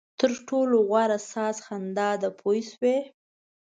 تر ټولو غوره ساز خندا ده پوه شوې!.